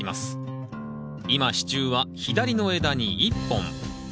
今支柱は左の枝に１本。